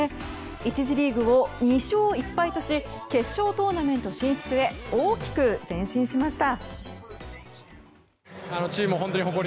１次リーグを２勝１敗とし決勝トーナメント進出へ大きく前進しました。